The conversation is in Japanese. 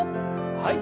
はい。